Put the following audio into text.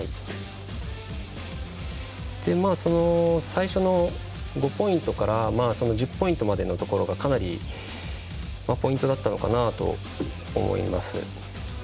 最初の５ポイントから１０ポイントのところまでがかなりポイントだったのかなと思います。